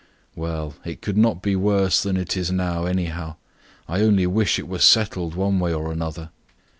"Well, it could not be worse than it is now, anyhow; I only wish it was settled one way or another."